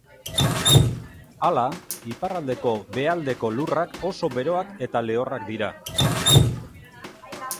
Hala, iparraldeko behealdeko lurrak oso beroak eta lehorrak dira.